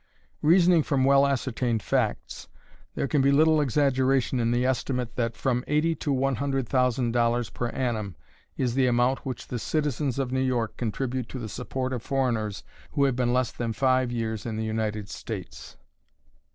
Reasoning from well ascertained facts, there can be little exaggeration in the estimate that from eighty to one hundred thousand dollars per annum is the amount which the citizens of New York contribute to the support of foreigners who have been less than five years in the United States.